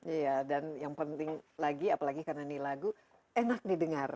iya dan yang penting lagi apalagi karena ini lagu enak didengar